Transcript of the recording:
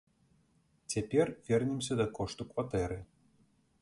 Цяпер вернемся да кошту кватэры.